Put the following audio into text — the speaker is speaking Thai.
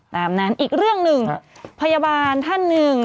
ตามนั้นอีกเรื่องหนึ่งพยาบาลท่านหนึ่ง